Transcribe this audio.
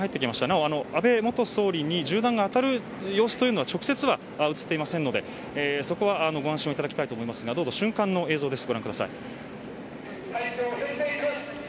なお、安倍元総理に銃弾が当たる様子というのは直接は映っていませんのでそこはご安心をいただきたいと思いますが瞬間の映像です。